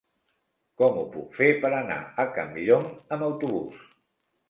Com ho puc fer per anar a Campllong amb autobús?